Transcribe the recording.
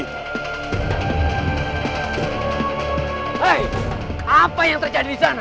hei apa yang terjadi disana